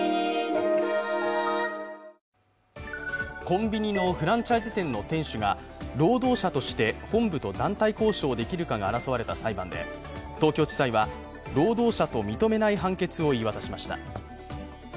コンビニのフランチャイズの店主が労働者として本部と団体交渉できるかが争われた裁判で東京地裁は、労働者と認めない判決を言い渡しました。